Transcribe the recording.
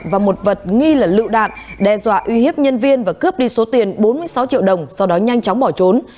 và một vật nghi là lựu đạn đe dọa uy hiếp nhân viên và cướp đi số tiền bốn mươi sáu triệu đồng sau đó nhanh chóng bỏ trốn